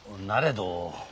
なれど。